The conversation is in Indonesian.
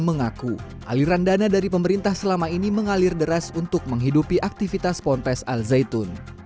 mengaku aliran dana dari pemerintah selama ini mengalir deras untuk menghidupi aktivitas ponpes al zaitun